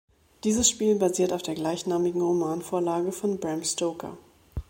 Dieses Spiel basiert auf der gleichnamigen Romanvorlage von Bram Stoker.